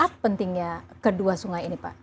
apa pentingnya kedua sungai ini pak